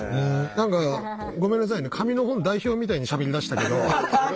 何かごめんなさいね紙の本代表みたいにしゃべりだしたけど。